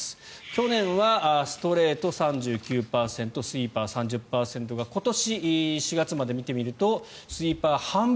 去年はストレート３９％スイーパー３０％が今年４月まで見てみるとスイーパーが半分。